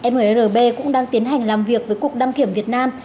mrb cũng đang tiến hành làm việc với cục đăng kiểm việt nam